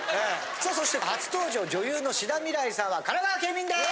さあそして初登場女優の志田未来さんは神奈川県民です！